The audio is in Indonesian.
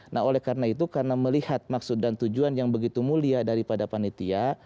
nah oleh karena itu karena melihat maksud dan tujuan yang begitu mulia daripada panitia